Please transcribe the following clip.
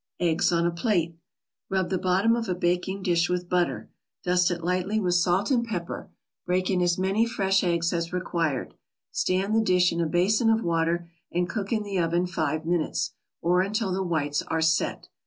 EGGS ON A PLATE Rub the bottom of a baking dish with butter. Dust it lightly with salt and pepper. Break in as many fresh eggs as required. Stand the dish in a basin of water and cook in the oven five minutes, or until the whites are "set."